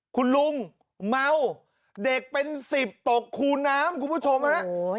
คุณลุงเมาเด็กเป็น๑๐ตกคูน้ำคุณผู้ชมฮะ